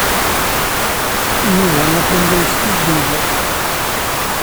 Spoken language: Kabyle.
Yuba atan la yeskiddib.